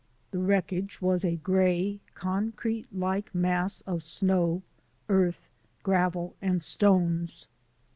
The wreck age was a gray, concrete like mass of snow, earth, gravel, and stones.